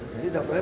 jadi tak boleh